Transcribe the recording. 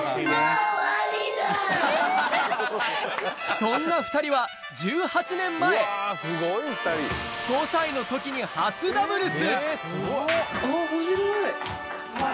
そんな２人は１８年前、５歳の時に初ダブルス。